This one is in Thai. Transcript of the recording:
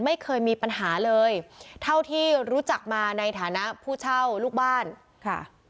ไม่เคยมีปัญหาเลยเท่าที่รู้จักมาในฐานะผู้เช่าลูกบ้านค่ะ